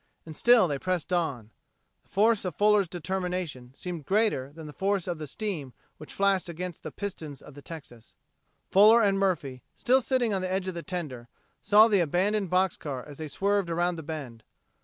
And still they pressed on. The force of Fuller's determination seemed greater than the force of the steam which flashed against the pistons of the Texas. Fuller and Murphy, still sitting on the edge of the tender, saw the abandoned box car as they swerved around the bend.